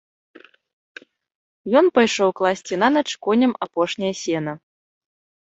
Ён пайшоў класці нанач коням апошняе сена.